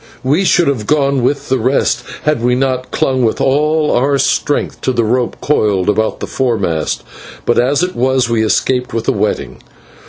We should have gone with the rest had we not clung with all our strength to the rope coiled about the foremast, but as it was we escaped with a wetting.